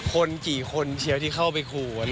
คนกี่คนเชียวที่เข้าไปขู่